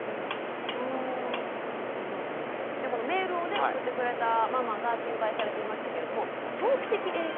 このメールを送ってくれたママが心配されていましたけれども長期的影響？